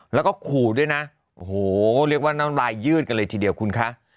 แล้วก็ขู่ด้วยนะโอ้โหเรียกว่าน้ำลายยืดกันเลยทีเดียวคุณคะ